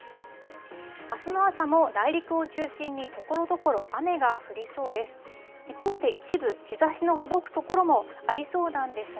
あすの朝も内陸を中心に、ところどころ雨が降りそうです。